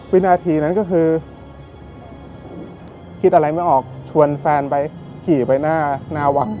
วินาทีนั้นก็คือคิดอะไรไม่ออกชวนแฟนไปขี่ไปหน้าวัด